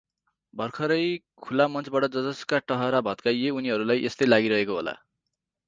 भर्खरै खुलामञ्चबाट जजसका टहरा भत्काइए उनीहरूलाई यस्तै लागिरहेको होला ।